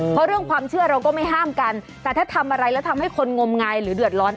เพราะเรื่องความเชื่อเราก็ไม่ห้ามกันแต่ถ้าทำอะไรแล้วทำให้คนงมงายหรือเดือดร้อน